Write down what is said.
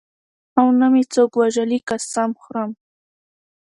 او نه مې څوک وژلي قسم خورم.